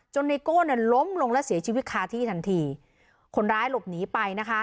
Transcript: ไนโก้เนี่ยล้มลงและเสียชีวิตคาที่ทันทีคนร้ายหลบหนีไปนะคะ